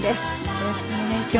よろしくお願いします。